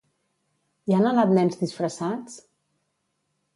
Hi han anat nens disfressats?